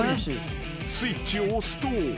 ［スイッチを押すと］